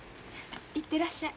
行ってらっしゃい。